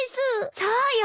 そうよ。